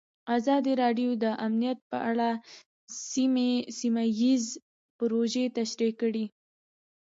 ازادي راډیو د امنیت په اړه سیمه ییزې پروژې تشریح کړې.